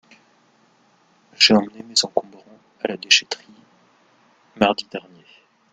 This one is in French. J’ai emmené mes encombrants à la déchèterie mardi dernier.